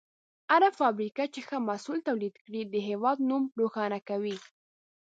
هره فابریکه چې ښه محصول تولید کړي، د هېواد نوم روښانه کوي.